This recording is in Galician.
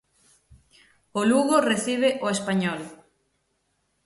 O Lugo recibe o Español.